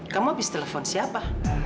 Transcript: kamu abis telepon siapa